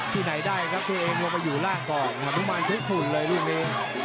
ที่ไหนได้ครับตัวเองลงไปอยู่ล่างก่อนฮานุมานพลิกฝุ่นเลยลูกนี้